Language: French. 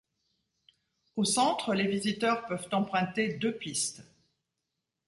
Au centre les visiteurs peuvent emprunter deux pistes.